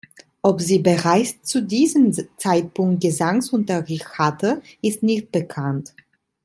Ob sie bereits zu diesem Zeitpunkt Gesangsunterricht hatte, ist nicht bekannt.